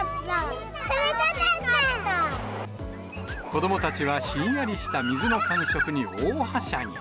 子どもたちはひんやりした水の感触に大はしゃぎ。